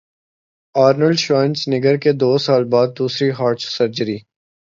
Arnold Schwarzenegger کی دو سال بعد دوسری ہارٹ سرجری